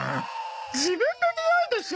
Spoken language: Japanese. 自分のにおいでしょ。